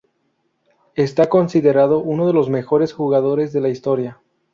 Está considerado uno de los mejores jugadores de la historia.